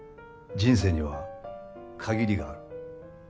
人生には限りがある。